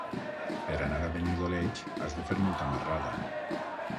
Per anar a Benidoleig has de fer molta marrada.